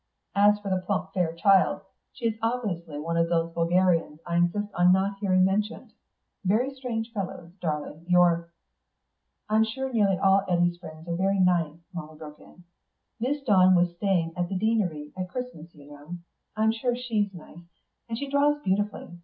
As for the plump fair child, she is obviously one of those vulgarians I insist on not hearing mentioned. Very strange friends, darling, your...." "I'm sure nearly all Eddy's friends are very nice," Molly broke in. "Miss Dawn was staying at the Deanery at Christmas, you know. I'm sure she's nice, and she draws beautifully.